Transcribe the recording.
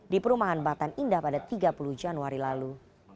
di perumahan batan indah pada tiga puluh januari lalu